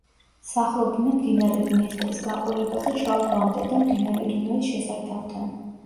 სახლობდნენ მდინარე დნესტრის გაყოლებაზე შავ ზღვამდე და მდინარე დუნაის შესართავთან.